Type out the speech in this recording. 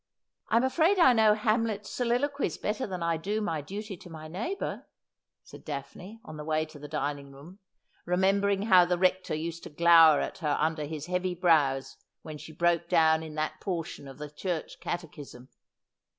' I'm afraid I know Hamlet's soliloquies better than I do my duty to my neighbour,' said Daphne, on the way to the dining room, remembering how the Rector used to glower at her under his heavy brows when she broke down in that portion of the Church Catechism.